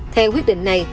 theo quyết định này